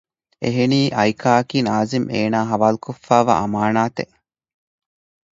އެހެނީ އައިކާއަކީ ނާޒިމް އޭނާއާ ހަވާލުކޮށްފައިވާ އަމާނާތެއް